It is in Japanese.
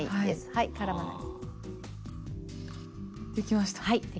はいできました。